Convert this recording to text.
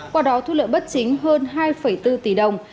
qua đó thu lợi bất chính hơn hai bốn tỷ đồng